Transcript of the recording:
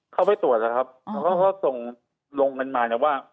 เข้าไปตรวจแล้วครับเขาก็ส่งลงกันมาว่า